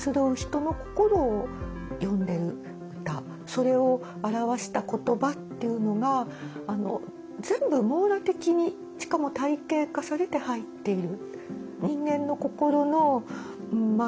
それを表した言葉っていうのが全部網羅的にしかも体系化されて入っている。